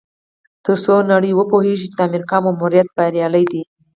تر څو نړۍ وپوهیږي چې د امریکا ماموریت بریالی دی.